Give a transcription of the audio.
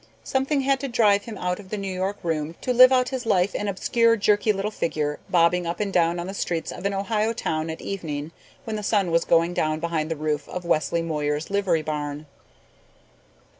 Something had to drive him out of the New York room to live out his life an obscure, jerky little figure, bobbing up and down on the streets of an Ohio town at evening when the sun was going down behind the roof of Wesley Moyer's livery barn.